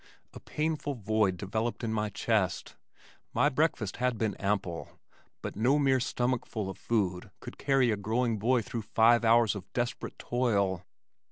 A painful void developed in my chest. My breakfast had been ample, but no mere stomachful of food could carry a growing boy through five hours of desperate toil.